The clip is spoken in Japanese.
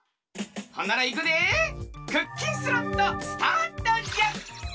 ほんならいくでクッキンスロットスタートじゃ！